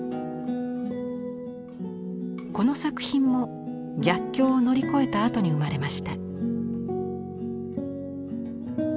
この作品も逆境を乗り越えたあとに生まれました。